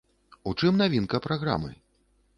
У чым навінка праграмы?